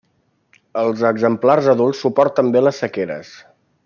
Els exemplars adults suporten bé les sequeres.